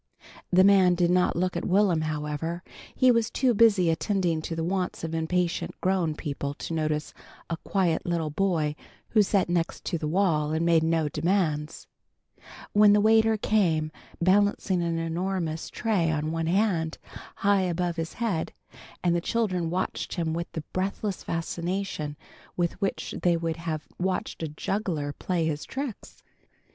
The man did not look at Will'm, however. He was too busy attending to the wants of impatient grown people to notice a quiet little boy who sat next the wall and made no demands. [Illustration: It was about the Princess Ina] Then the waiter came, balancing an enormous tray on one hand, high above his head, and the children watched him with the breathless fascination with which they would have watched a juggler play his tricks.